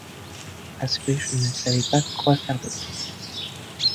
Parce que je ne savais pas quoi faire d’autre.